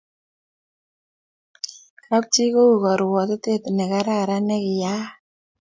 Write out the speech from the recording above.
kap chii ko u karuatet ne kararan ni kiayak